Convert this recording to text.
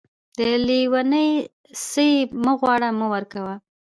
د لېوني څه يې مه غواړه ،مې ورکوه.